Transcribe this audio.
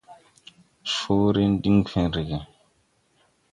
Coore diŋ fen rege.